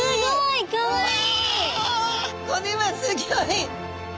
これはすギョい！